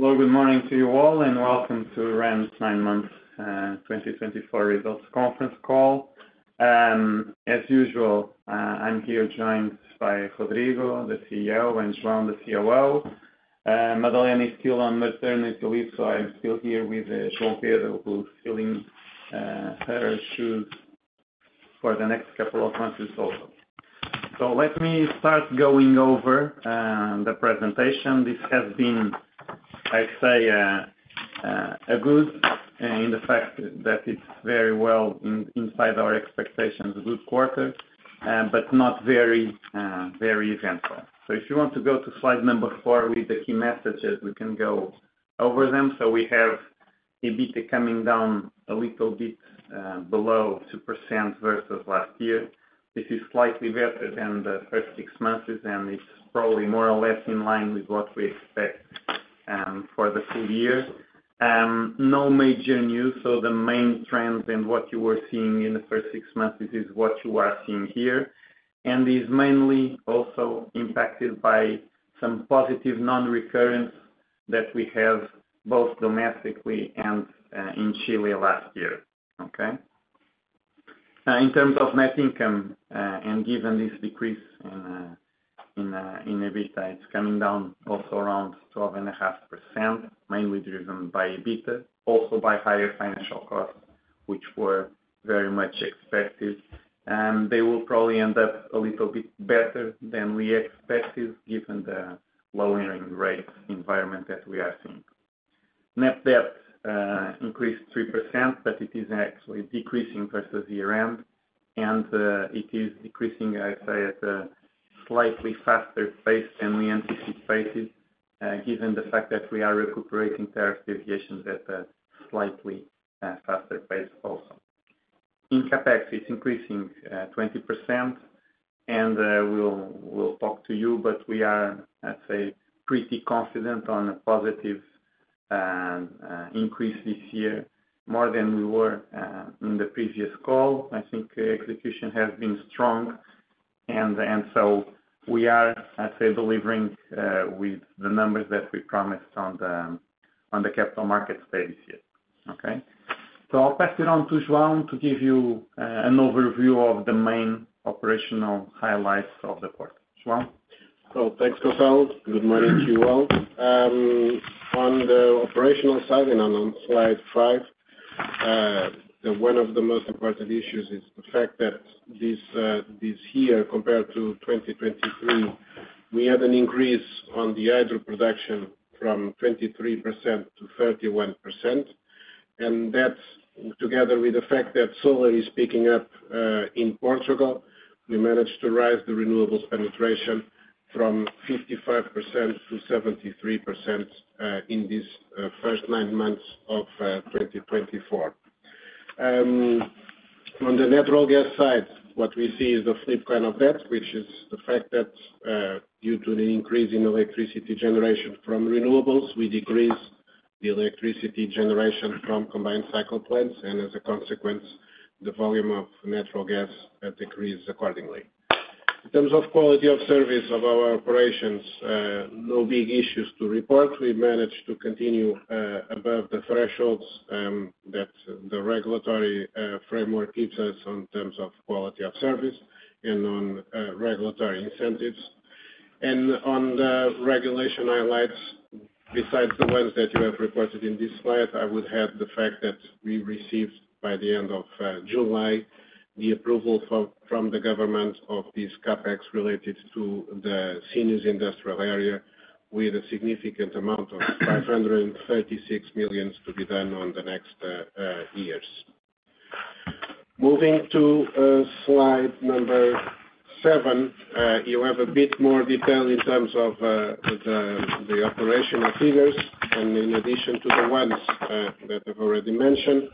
Hello, good morning to you all, and welcome to REN's nine-month, 2024 Results Conference Call. As usual, I'm here joined by Rodrigo, the CEO, and João, the COO. Madalena is still on maternity leave, so I'm still here with João Pedro, who's filling her shoes for the next couple of months also. Let me start going over the presentation. This has been, I'd say, a good, in fact it's very well inside our expectations, a good quarter, but not very, very eventful. If you want to go to slide number four with the key messages, we can go over them. We have EBITDA coming down a little bit, below 2% versus last year. This is slightly better than the first six months, and it's probably more or less in line with what we expect for the full year. No major news. The main trend in what you were seeing in the first six months is what you are seeing here. And it's mainly also impacted by some positive non-recurrence that we have both domestically and in Chile last year, okay? In terms of net income, and given this decrease in EBITDA, it's coming down also around 12.5%, mainly driven by EBITDA, also by higher financial costs, which were very much expected. They will probably end up a little bit better than we expected given the lowering rate environment that we are seeing. Net debt increased 3%, but it is actually decreasing versus year-end. And it is decreasing, I'd say, at a slightly faster pace than we anticipated, given the fact that we are recuperating tariff deviations at a slightly faster pace also. In CapEx, it's increasing 20%. We'll talk to you, but we are, I'd say, pretty confident on a positive increase this year, more than we were in the previous call. I think execution has been strong. So we are, I'd say, delivering with the numbers that we promised on the Capital Markets Day this year, okay? I'll pass it on to João to give you an overview of the main operational highlights of the quarter. João? So thanks, Gonçalo. Good morning to you all. On the operational side, and on slide five, one of the most important issues is the fact that this year, compared to 2023, we had an increase on the hydro production from 23%-31%. And that's together with the fact that solar is picking up, in Portugal. We managed to raise the renewables penetration from 55%-73%, in this first nine months of 2024. On the natural gas side, what we see is the flip side, which is the fact that, due to the increase in electricity generation from renewables, we decrease the electricity generation from combined cycle plants. And as a consequence, the volume of natural gas decreases accordingly. In terms of quality of service of our operations, no big issues to report. We managed to continue above the thresholds that the regulatory framework gives us on terms of quality of service and on regulatory incentives. And on the regulation highlights, besides the ones that you have reported in this slide, I would add the fact that we received by the end of July the approval from the government of this CapEx related to the Sines industrial area with a significant amount of 536 million to be done on the next years. Moving to slide number seven, you have a bit more detail in terms of the operational figures. And in addition to the ones that I've already mentioned,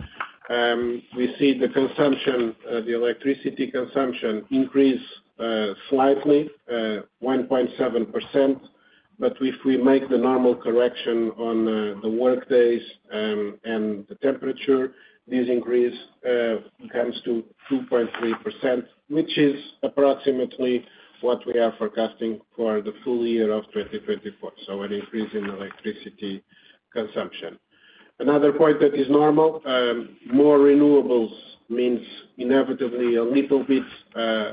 we see the consumption the electricity consumption increase slightly 1.7%. But if we make the normal correction on the workdays and the temperature, this increase comes to 2.3%, which is approximately what we are forecasting for the full year of 2024. So an increase in electricity consumption. Another point that is normal, more renewables means inevitably a little bit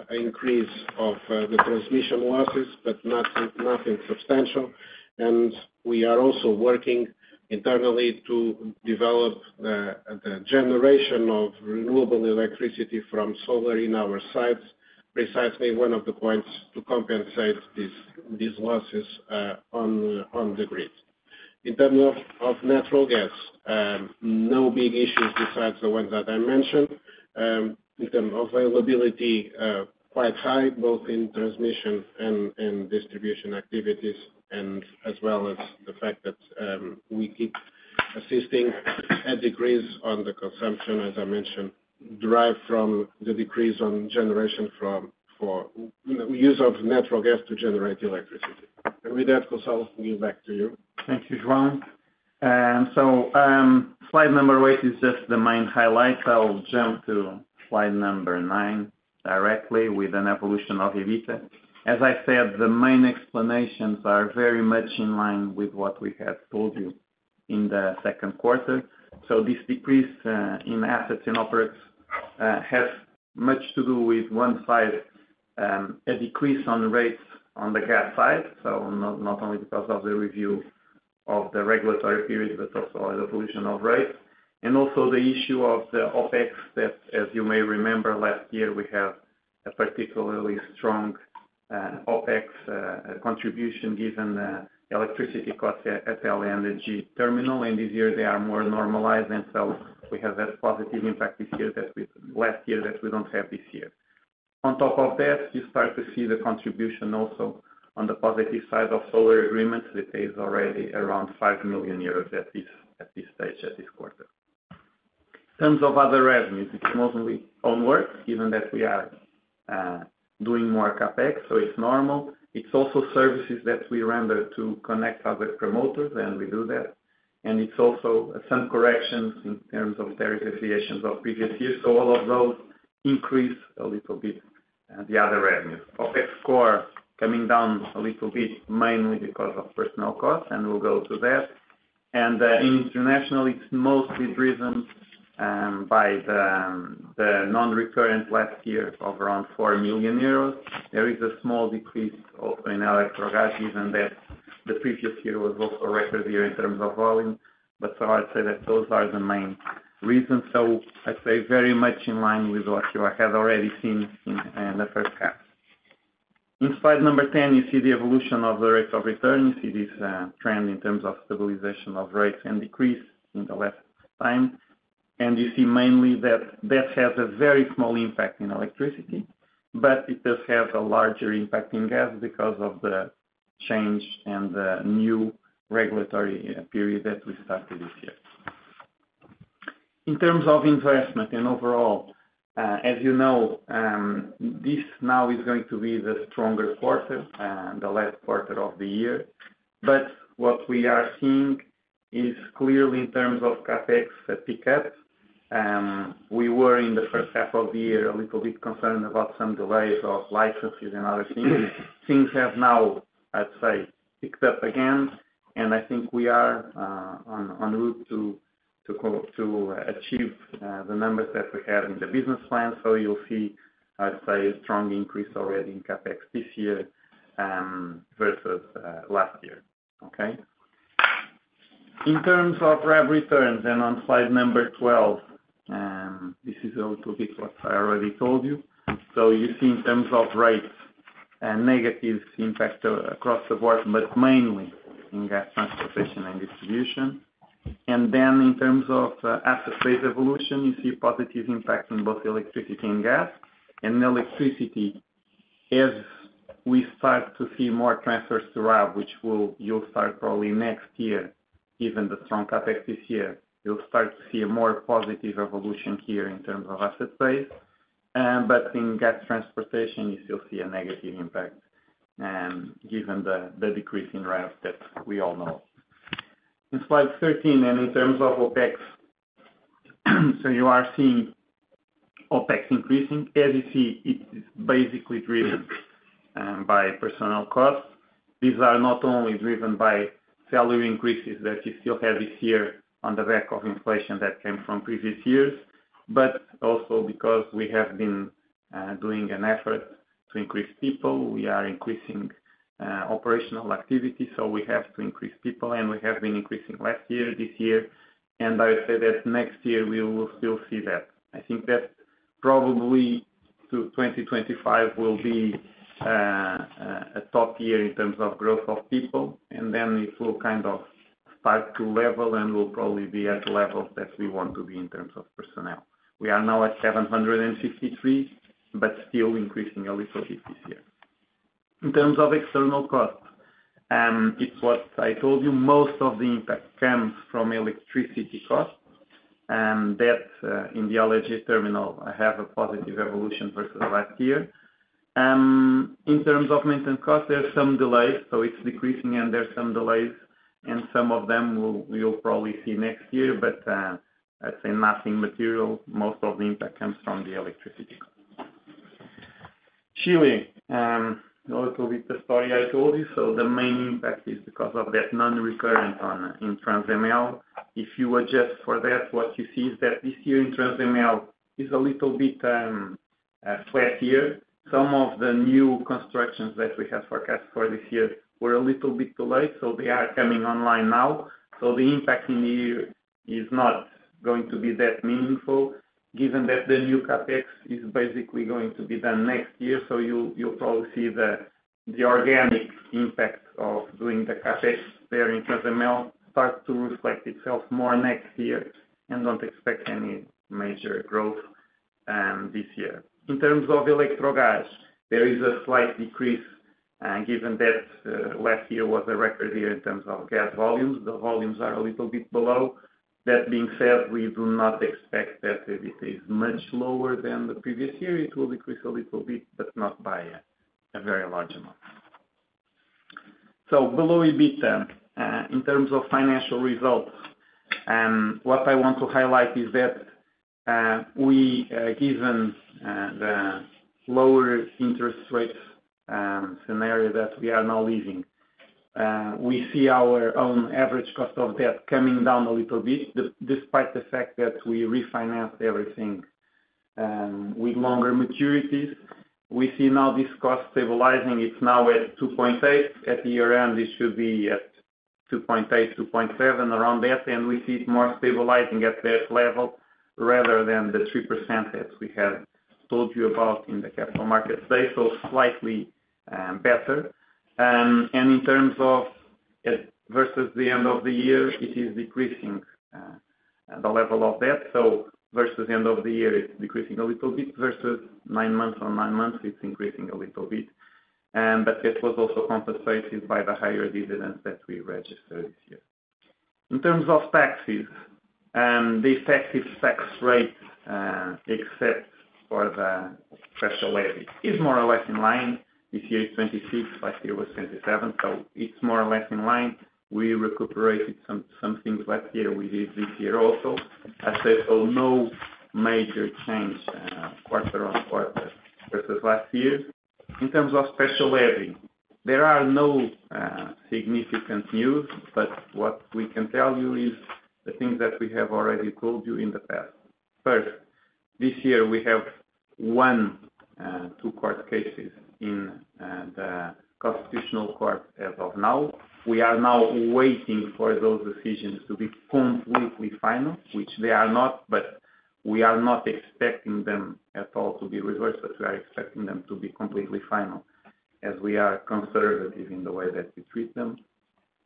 increase of the transmission losses, but nothing, nothing substantial. And we are also working internally to develop the generation of renewable electricity from solar in our sites, precisely one of the points to compensate this, these losses on the grid. In terms of natural gas, no big issues besides the ones that I mentioned. In terms of availability, quite high, both in transmission and distribution activities, and as well as the fact that we keep assisting a decrease on the consumption, as I mentioned, derived from the decrease on generation from for use of natural gas to generate electricity. And with that, Gonçalo, we'll back to you. Thank you, João. And so, slide number eight is just the main highlight. I'll jump to slide number nine directly with an evolution of EBITDA. As I said, the main explanations are very much in line with what we had told you in the second quarter. So this decrease in assets and OPEX has much to do with, on one side, a decrease in rates on the gas side. So not only because of the review of the regulatory period, but also the evolution of rates. And also the issue of the OPEX that, as you may remember, last year we had a particularly strong OPEX contribution given the electricity cost at LNG terminal. And this year they are more normalized. And so we have that positive impact this year that we had last year that we don't have this year. On top of that, you start to see the contribution also on the positive side of solar agreements. It is already around five million EUR at this stage at this quarter. In terms of other revenues, it's mostly own work, given that we are doing more CapEx. So it's normal. It's also services that we render to connect other promoters, and we do that. And it's also some corrections in terms of tariff deviations of previous years. So all of those increase a little bit the other revenues. OPEX. So are coming down a little bit, mainly because of personnel costs. And we'll go to that. And in international, it's mostly driven by the non-recurrent last year of around four million EUR. There is a small decrease in electricity, given that the previous year was also a record year in terms of volume. But so I'd say that those are the main reasons. So I'd say very much in line with what you had already seen in the first half. In slide number 10, you see the evolution of the rates of return. You see this trend in terms of stabilization of rates and decrease in the last time. And you see mainly that that has a very small impact in electricity, but it does have a larger impact in gas because of the change and the new regulatory period that we started this year. In terms of investment and overall, as you know, this now is going to be the stronger quarter, the last quarter of the year. But what we are seeing is clearly in terms of CapEx pickup. We were in the first half of the year a little bit concerned about some delays of licenses and other things. Things have now, I'd say, picked up again. And I think we are on the route to achieve the numbers that we had in the business plan. So you'll see, I'd say, a strong increase already in CapEx this year, versus last year, okay? In terms of REN returns, and on slide number 12, this is a little bit what I already told you. So you see in terms of rates, negative impact across the board, but mainly in gas transportation and distribution. And then in terms of asset base evolution, you see positive impact in both electricity and gas. And electricity, as we start to see more transfers to REN, which will, you'll start probably next year, given the strong CapEx this year, you'll start to see a more positive evolution here in terms of asset base. But in gas transportation, you still see a negative impact, given the decrease in REN that we all know of. In slide 13, and in terms of OPEX, so you are seeing OPEX increasing. As you see, it is basically driven by personnel costs. These are not only driven by salary increases that you still have this year on the back of inflation that came from previous years, but also because we have been making an effort to increase people. We are increasing operational activity. So we have to increase people. And we have been increasing last year, this year. And I would say that next year we will still see that. I think that probably to 2025 will be a top year in terms of growth of people. And then it will kind of start to level, and we'll probably be at levels that we want to be in terms of personnel. We are now at 753, but still increasing a little bit this year. In terms of external costs, it's what I told you; most of the impact comes from electricity costs. That, in the LNG terminal, I have a positive evolution versus last year. In terms of maintenance costs, there's some delays. So it's decreasing, and there's some delays. And some of them we'll probably see next year. But I'd say nothing material. Most of the impact comes from the electricity costs. Chile, a little bit the story I told you. So the main impact is because of that non-recurrent on in Transemel. If you adjust for that, what you see is that this year in Transemel is a little bit flat here. Some of the new constructions that we had forecast for this year were a little bit too late. So they are coming online now. So the impact in the year is not going to be that meaningful, given that the new CapEx is basically going to be done next year. So you'll, you'll probably see the, the organic impact of doing the CapEx there in Transemel start to reflect itself more next year and don't expect any major growth, this year. In terms of electricity, there is a slight decrease, given that, last year was a record year in terms of gas volumes. The volumes are a little bit below. That being said, we do not expect that it is much lower than the previous year. It will decrease a little bit, but not by a, a very large amount. Below EBITDA, in terms of financial results, what I want to highlight is that we, given the lower interest rate scenario that we are now living, see our own average cost of debt coming down a little bit, despite the fact that we refinanced everything with longer maturities. We see now this cost stabilizing. It's now at 2.8%. At year end, it should be at 2.8%-2.7%, around that. We see it more stabilizing at that level rather than the 3% that we had told you about in the Capital Markets Day. So slightly better. In terms of versus the end of the year, it is decreasing, the level of debt. Versus the end of the year, it's decreasing a little bit. Versus nine months on nine months, it's increasing a little bit. But that was also compensated by the higher dividends that we registered this year. In terms of taxes, the effective tax rate, except for the Special Levy, is more or less in line. This year it's 26%. Last year it was 27%. So it's more or less in line. We recuperated some things last year with this year also. As I said, so no major change, quarter on quarter versus last year. In terms of Special Levy, there are no significant news. But what we can tell you is the things that we have already told you in the past. First, this year we have one, two court cases in the constitutional court as of now. We are now waiting for those decisions to be completely final, which they are not. But we are not expecting them at all to be reversed. But we are expecting them to be completely final as we are conservative in the way that we treat them.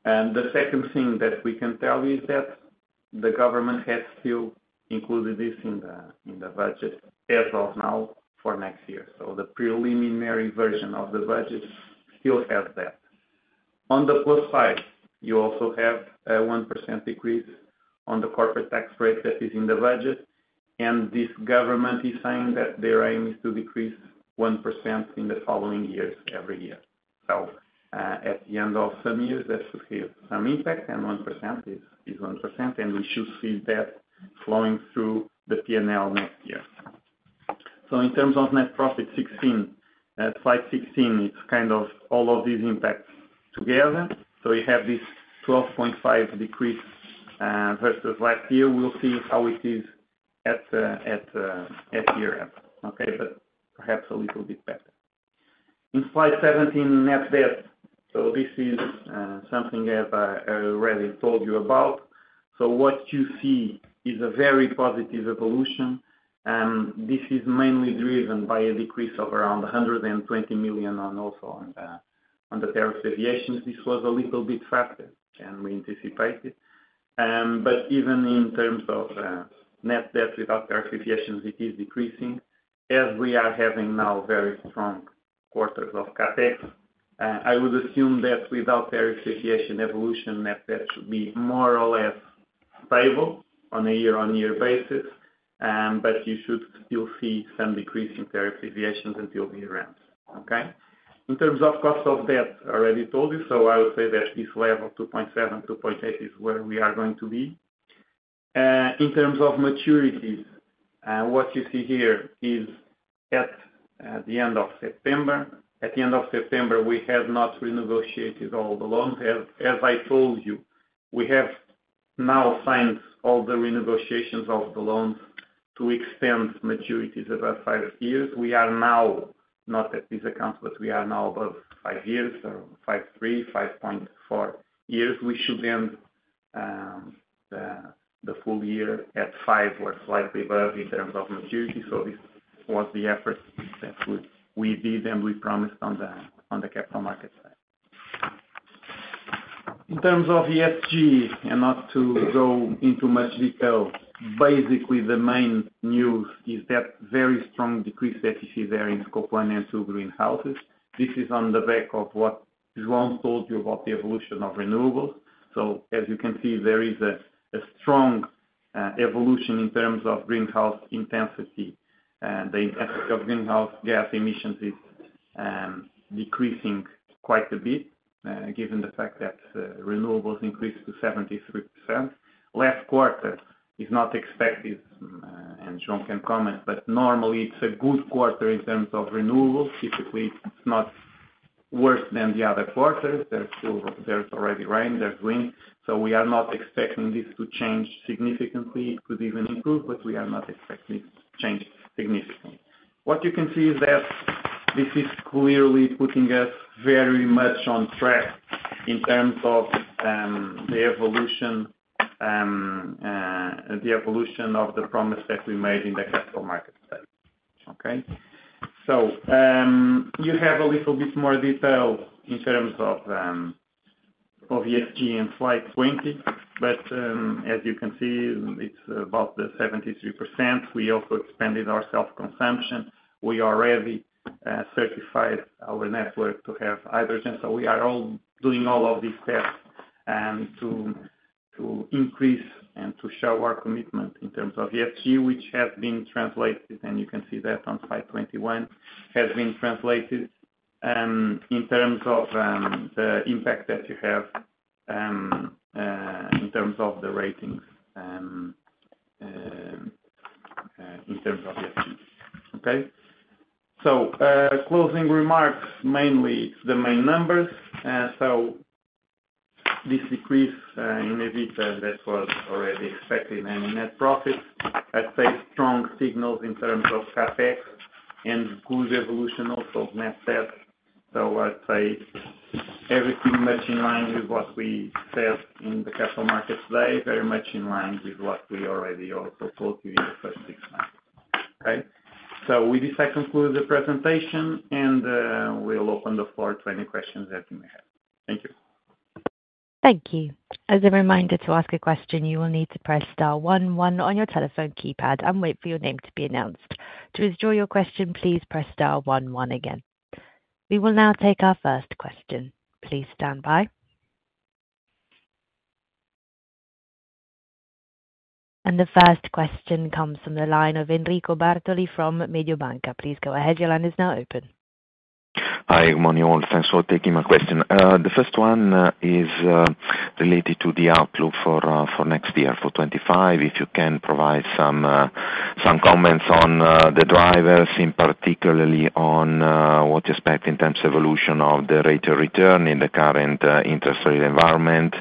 And the second thing that we can tell you is that the government has still included this in the, in the budget as of now for next year. So the preliminary version of the budget still has that. On the plus side, you also have a 1% decrease on the corporate tax rate that is in the budget. And this government is saying that their aim is to decrease 1% in the following years every year. So, at the end of some years, that should have some impact. And 1% is, is 1%. And we should see that flowing through the P&L next year. So in terms of net profit 16, slide 16, it's kind of all of these impacts together. So you have this 12.5% decrease, versus last year. We'll see how it is at year end, okay? But perhaps a little bit better. In slide 17, net debt. So this is something I've already told you about. So what you see is a very positive evolution. This is mainly driven by a decrease of around 120 million also on the tariff deviations. This was a little bit faster than we anticipated. But even in terms of net debt without tariff deviations, it is decreasing. As we are having now very strong quarters of CapEx, I would assume that without tariff deviation evolution, net debt should be more or less stable on a year-on-year basis. But you should still see some decrease in tariff deviations until the year end, okay? In terms of cost of debt, I already told you. So I would say that this level 2.7, 2.8 is where we are going to be. In terms of maturities, what you see here is at the end of September. At the end of September, we had not renegotiated all the loans. As I told you, we have now signed all the renegotiations of the loans to extend maturities above five years. We are now not at these accounts, but we are now above five years or 5.3, 5.4 years. We should end the full year at five or slightly above in terms of maturity. So this was the effort that we did and we promised on the capital markets side. In terms of ESG, and not to go into much detail, basically the main news is that very strong decrease that you see there in Scope 1 and 2 greenhouses. This is on the back of what João told you about the evolution of renewables. So as you can see, there is a strong evolution in terms of greenhouse intensity. The intensity of greenhouse gas emissions is decreasing quite a bit, given the fact that renewables increased to 73%. Last quarter is not expected, and João can comment. But normally it's a good quarter in terms of renewables. Typically, it's not worse than the other quarters. There's already rain. There's wind. So we are not expecting this to change significantly. It could even improve, but we are not expecting this to change significantly. What you can see is that this is clearly putting us very much on track in terms of the evolution of the promise that we made in the capital markets side, okay? You have a little bit more detail in terms of ESG in slide 20. But as you can see, it's about the 73%. We also expanded our self-consumption. We already certified our network to have hydrogen. So we are all doing all of these tests to increase and to show our commitment in terms of ESG, which has been translated. And you can see that on slide 21 has been translated in terms of the impact that you have in terms of the ratings in terms of ESG, okay? So closing remarks, mainly the main numbers. So this decrease in EBITDA that was already expected. And in net profits, I'd say strong signals in terms of CapEx and good evolution also of net debt. So I'd say everything much in line with what we said in the Capital Markets Day, very much in line with what we already also told you in the first six months, okay, so with this, I conclude the presentation, and we'll open the floor to any questions that you may have. Thank you. Thank you. As a reminder to ask a question, you will need to press star 11 on your telephone keypad and wait for your name to be announced. To withdraw your question, please press star 11 again. We will now take our first question. Please stand by. The first question comes from the line of Enrico Bartoli from Mediobanca. Please go ahead. Your line is now open. Hi, good morning, all. Thanks for taking my question. The first one is related to the outlook for next year for 2025. If you can provide some comments on the drivers, particularly on what you expect in terms of evolution of the rate of return in the current interest rate environment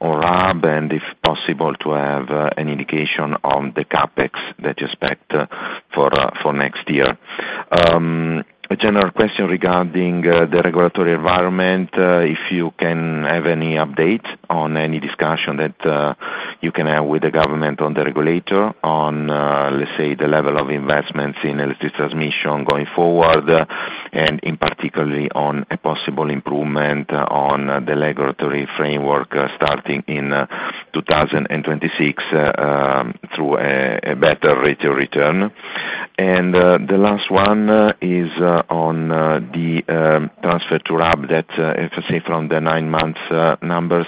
or RAB, and if possible to have an indication on the CapEx that you expect for next year. A general question regarding the regulatory environment, if you can have any update on any discussion that you can have with the government on the regulator on, let's say the level of investments in electricity transmission going forward, and particularly on a possible improvement on the regulatory framework starting in 2026, through a better rate of return. The last one is on the transfer to RAB that, as I say, from the nine months numbers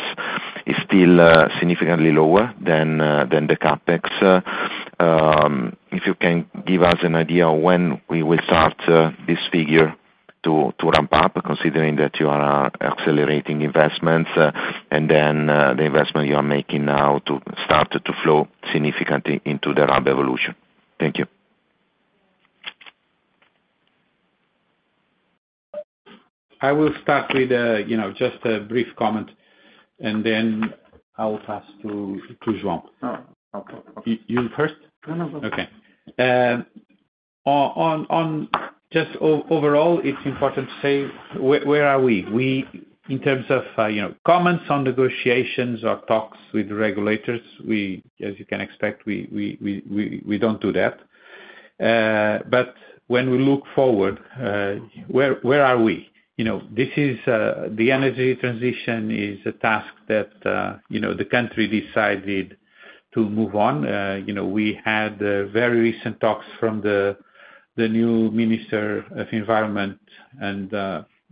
is still significantly lower than the CapEx. If you can give us an idea of when we will start this figure to ramp up, considering that you are accelerating investments and then the investment you are making now to start to flow significantly into the RAB evolution. Thank you. I will start with, you know, just a brief comment, and then I'll pass to, to João. Oh, okay. You, you first? No, no, no. Okay. On just overall, it's important to say where are we? We, in terms of, you know, comments on negotiations or talks with the regulators, as you can expect, we don't do that. But when we look forward, where are we? You know, this is the energy transition is a task that, you know, the country decided to move on. You know, we had very recent talks from the new Minister of Environment. And,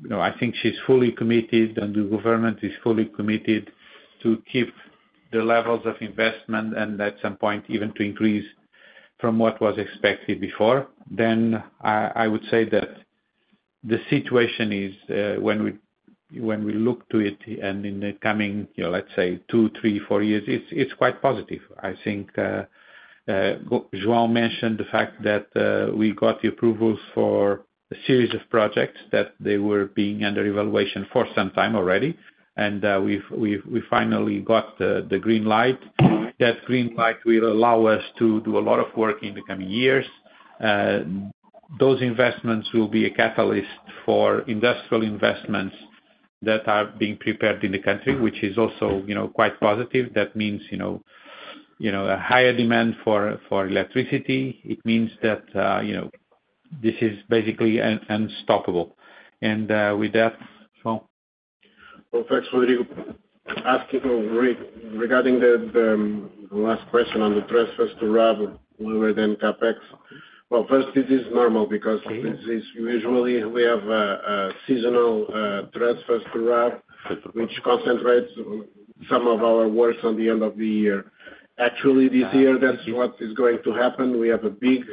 you know, I think she's fully committed, and the government is fully committed to keep the levels of investment, and at some point, even to increase from what was expected before. Then I would say that the situation is, when we look to it and in the coming, you know, let's say two, three, four years, it's quite positive. I think João mentioned the fact that we got the approvals for a series of projects that they were being under evaluation for some time already. We've finally got the green light. That green light will allow us to do a lot of work in the coming years. Those investments will be a catalyst for industrial investments that are being prepared in the country, which is also, you know, quite positive. That means, you know, a higher demand for electricity. It means that, you know, this is basically unstoppable. And with that, João? Thanks, Rodrigo. Regarding the last question on the transfers to RAB, lower than CapEx. First, this is normal because usually we have a seasonal transfers to RAB, which concentrates some of our works on the end of the year. Actually, this year, that's what is going to happen. We have a big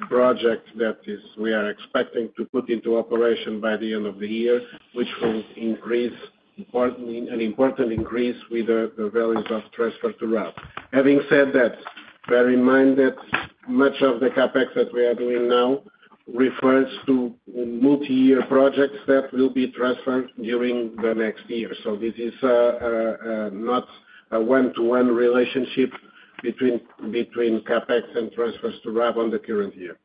project that we are expecting to put into operation by the end of the year, which will increase importantly an important increase with the values of transfer to RAB. Having said that, bear in mind that much of the CapEx that we are doing now refers to multi-year projects that will be transferred during the next year. This is not a one-to-one relationship between CapEx and transfers to RAB on the current year.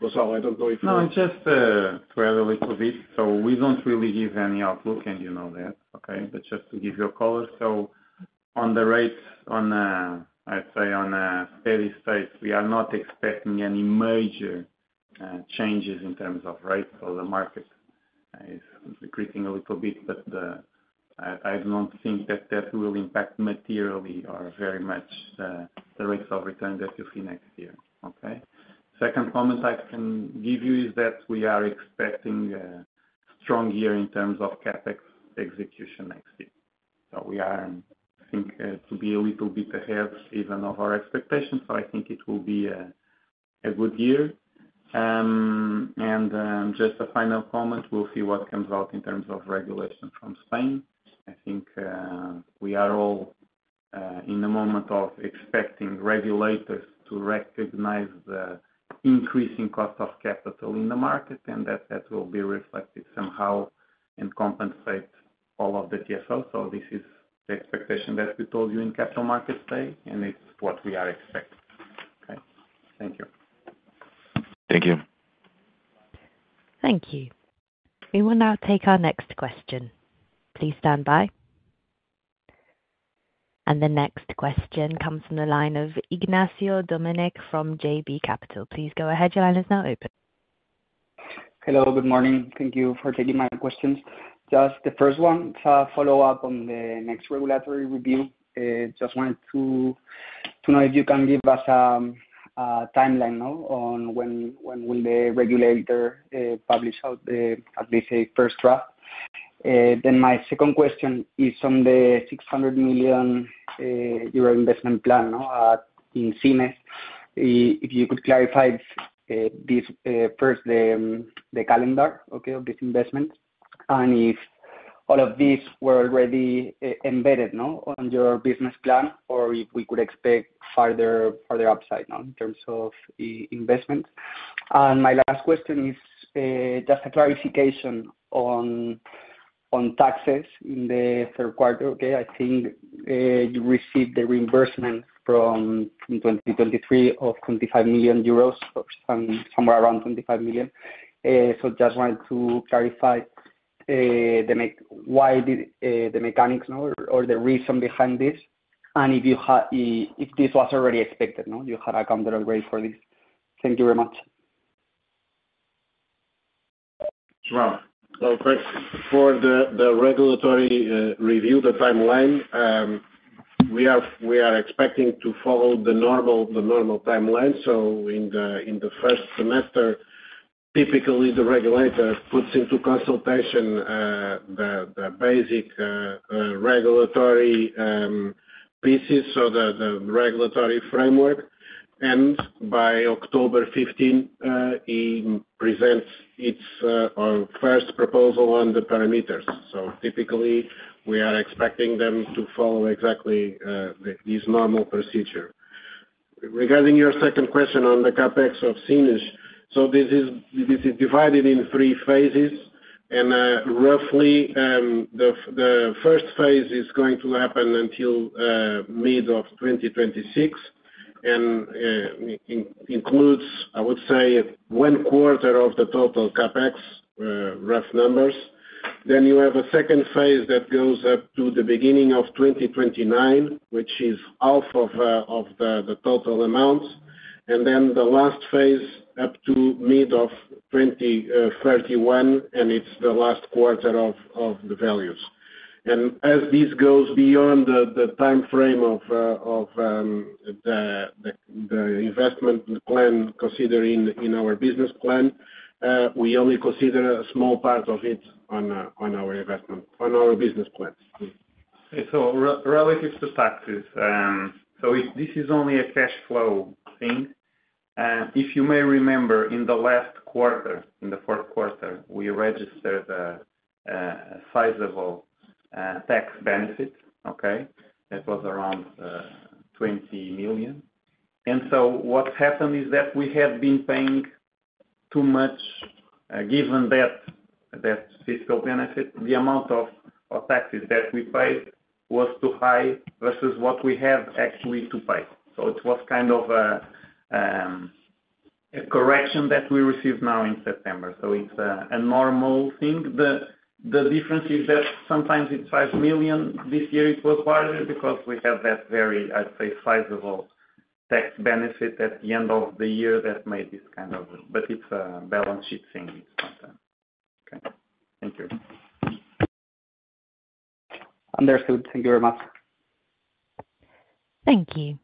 That's all. I don't know if you want to. No, just to add a little bit. So we don't really give any outlook, and you know that, okay? But just to give some color. So on the rates, I'd say on steady state, we are not expecting any major changes in terms of rates. So the market is decreasing a little bit. But I don't think that will impact materially or very much the rates of return that you see next year, okay? Second comment I can give you is that we are expecting a strong year in terms of CapEx execution next year. So we are, I think, to be a little bit ahead even of our expectations. So I think it will be a good year. Just a final comment, we'll see what comes out in terms of regulation from Spain. I think we are all at the moment expecting regulators to recognize the increasing cost of capital in the market and that that will be reflected somehow and compensate all of the TSOs. So this is the expectation that we told you in capital markets today, and it's what we are expecting, okay? Thank you. Thank you. Thank you. We will now take our next question. Please stand by. And the next question comes from the line of Ignacio Doménech from JB Capital. Please go ahead. Your line is now open. Hello. Good morning. Thank you for taking my questions. Just the first one, follow-up on the next regulatory review. Just wanted to know if you can give us a timeline on when the regulator will publish out the, as they say, first draft? Then my second question is on the 600 million euro investment plan in Sines. If you could clarify this first, the calendar of this investment, and if all of these were already embedded on your business plan, or if we could expect further upside in terms of investments. And my last question is just a clarification on taxes in the third quarter, okay? I think you received the reimbursement from 2023 of 25 million euros or somewhere around 25 million. Just wanted to clarify the mechanics or the reason behind this, and if you had accounted already for this. Thank you very much. João. Oh, great. For the regulatory review, the timeline, we are expecting to follow the normal timeline. In the first semester, typically the regulator puts into consultation the basic regulatory pieces, so the regulatory framework. And by October 15, he presents its first proposal on the parameters. Typically we are expecting them to follow exactly this normal procedure. Regarding your second question on the CapEx of Sines, this is divided in three phases. Roughly, the first phase is going to happen until mid of 2026 and includes, I would say, one quarter of the total CapEx, rough numbers. Then you have a second phase that goes up to the beginning of 2029, which is half of the total amount. And then the last phase up to mid-2031, and it's the last quarter of the values. And as this goes beyond the timeframe of the investment plan considered in our business plan, we only consider a small part of it on our investment on our business plan. Okay. Relative to taxes, this is only a cash flow thing. If you may remember, in the last quarter, in the fourth quarter, we registered a sizable tax benefit, okay? That was around 20 million. And so what happened is that we had been paying too much, given that fiscal benefit, the amount of taxes that we paid was too high versus what we have actually to pay. So it was kind of a correction that we received now in September. So it's a normal thing. The difference is that sometimes it's five million. This year it was larger because we have that very, I'd say, sizable tax benefit at the end of the year that made this kind of, but it's a balance sheet thing. It's not, okay? Thank you. Understood. Thank you very much. Thank you.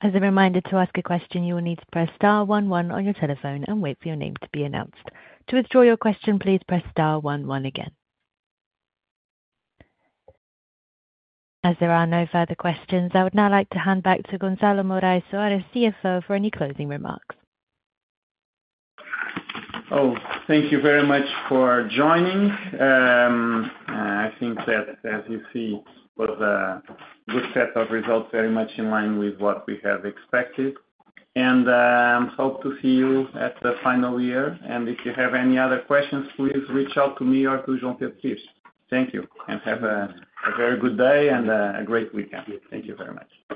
As a reminder to ask a question, you will need to press star one one on your telephone and wait for your name to be announced. To withdraw your question, please press star one one again. As there are no further questions, I would now like to hand back to Gonçalo Morais Soares, CFO, for any closing remarks. Oh, thank you very much for joining. I think that, as you see, was a good set of results, very much in line with what we have expected, and hope to see you at the final year and if you have any other questions, please reach out to me or to João Pedro. Thank you and have a very good day and a great weekend. Thank you very much.